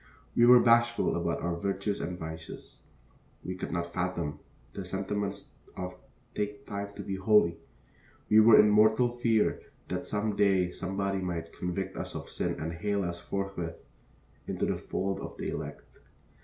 We were bashful about our virtues and vices; we could not fathom the sentiments of Take Time to be Holy; we were in mortal fear that some day somebody might convict us of sin and hale us forthwith into the fold of the elect.